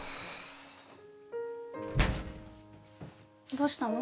どうしたの？